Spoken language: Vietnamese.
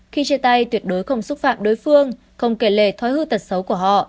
khi chia tay tuyệt đối không xúc phạm đối phương không kể lời thói hư tật xấu của họ